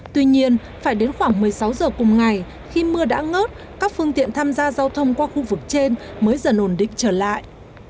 tuy nhiên phải đến khoảng một mươi sáu giờ cùng ngày khi mưa đã ngớt các phương tiện tham gia giao thông qua khu vực trên mới dần ổn định trở lại